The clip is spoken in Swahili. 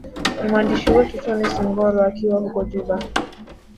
ni mwandishi wetu tonnis ingoro akiwa huko juba